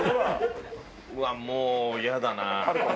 うわっもうイヤだな。